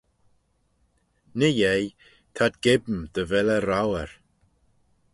Ny-yeih t'ad geam dy vel eh rouyr.